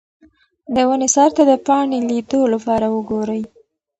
د ونې سر ته د پاڼې لیدو لپاره وګورئ.